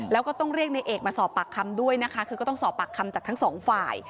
แล้วก็ต้องเรียกในเอกมาสอบปากคำด้วยนะคะคือก็ต้องสอบปากคำจากทั้งสองฝ่าย